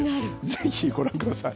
ぜひご覧ください。